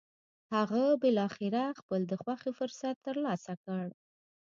هغه بالاخره خپل د خوښې فرصت تر لاسه کړ.